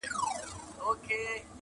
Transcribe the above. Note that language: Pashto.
زه پوهېږم شیدې سپیني دي غوا توره-